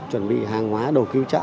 chuẩn bị hàng hóa đồ cứu trợ